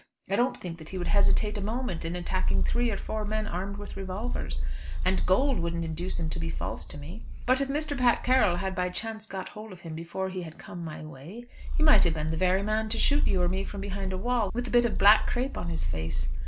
I don't think that he would hesitate a moment in attacking three or four men armed with revolvers. And gold wouldn't induce him to be false to me. But if Mr. Pat Carroll had by chance got hold of him before he had come my way, he might have been the very man to shoot you or me from behind a wall, with a bit of black crape on his face.